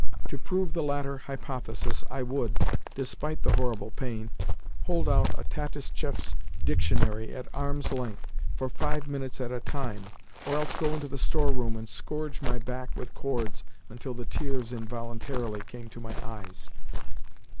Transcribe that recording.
To prove the latter hypothesis, I would (despite the horrible pain) hold out a Tatistchev's dictionary at arm's length for five minutes at a time, or else go into the store room and scourge my back with cords until the tears involuntarily came to my eyes!